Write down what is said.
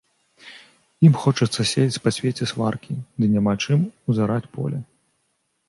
Ім хочацца сеяць па свеце сваркі, ды няма чым узараць поле.